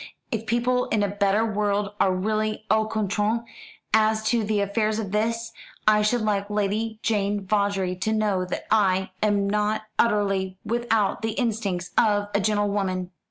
"If people in a better world are really au courant as to the affairs of this, I should like Lady Jane Vawdrey to know that I am not utterly without the instincts of a gentlewoman."